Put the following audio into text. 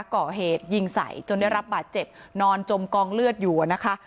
ก่อเหตุยิงใส่จนได้รับบาดเจ็บนอนจมกองเลือดอยู่นะคะ